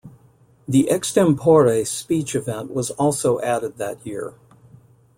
The Extempore speech event was also added that year.